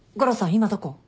今どこ？